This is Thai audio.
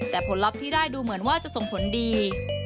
แต่ผลลัพธ์ที่ได้ดูเหมือนว่าจะส่งผลดี